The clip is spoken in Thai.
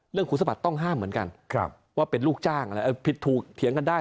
คุณสมัครต้องห้ามเหมือนกันว่าเป็นลูกจ้างอะไรผิดถูกเถียงกันได้